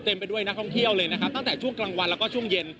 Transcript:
เต็มไปด้วยนักท่องเที่ยวเลยตั้งแต่ช่วงกลางวันและช่วงเย็น